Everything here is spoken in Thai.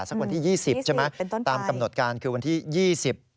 สักวันที่๒๐ใช่ไหมครับตามกำหนดการคือวันที่๒๐